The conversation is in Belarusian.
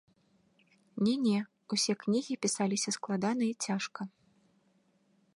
Не-не, усе кнігі пісаліся складана і цяжка.